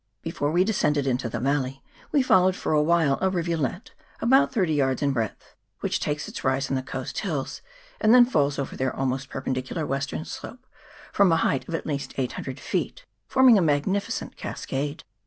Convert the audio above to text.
Before we de scended into the valley we followed for a while a rivulet about thirty yards in breadth, which takes its rise in the coast hills, and then falls over their almost perpendicular western slope from a height of at least eight hundred feet, forming a magnifi cent cascade.